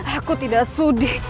aku tidak sudi